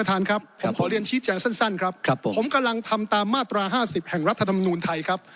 ท่านประธานครับผมกำลังทำตามมาตรา๕๐แห่งรัฐธรรมนุนไทยครับ